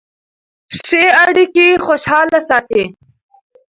ښې اړیکې خوشحاله ساتي.